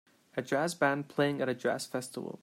A jazz band playing at a jazz festival.